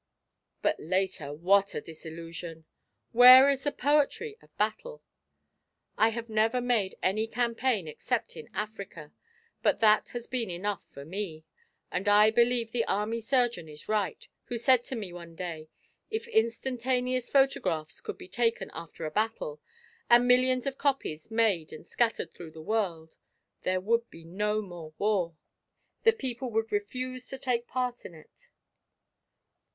But later, what a disillusion! Where is the poetry of battle? I have never made any campaign except in Africa, but that has been enough for me. And I believe the army surgeon is right, who said to me one day: 'If instantaneous photographs could be taken after a battle, and millions of copies made and scattered through the world, there would be no more war. The people would refuse to take part in it.'